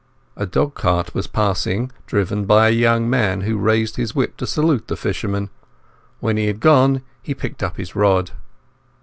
A dog cart was passing, driven by a young man who raised his whip to salute the fisherman. When he had gone, he picked up his rod.